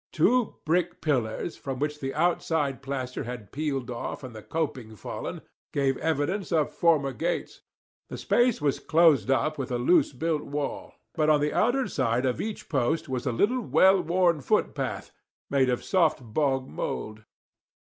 Two brick pillars, from which the outside plaster had peeled off and the coping fallen, gave evidence of former gates; the space was closed up with a loose built wall, but on the outer side of each post was a little well worn footpath, made of soft bog mould.